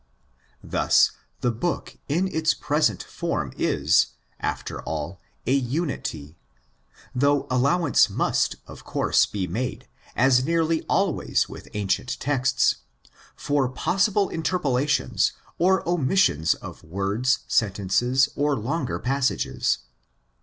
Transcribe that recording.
Thus the book in its present form is, after all, a unity; though allowance must, of course, be made, as nearly always with ancient texts, for possible interpolations or omis sions of words, sentences, or longer passages.